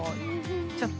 ちょっと。